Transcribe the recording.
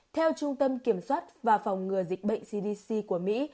theo trung tâm kiểm soát và phòng ngừa dịch bệnh cdc của mỹ